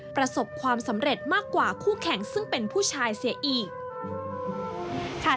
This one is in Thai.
ประสบความสำเร็จมากกว่าคู่แข่งซึ่งเป็นผู้ชายเสียอีก